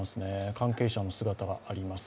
関係者の姿があります。